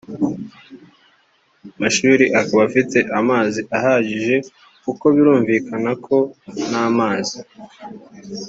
amashuri akaba afite amazi ahagije kuko birumvukana ko nta mazi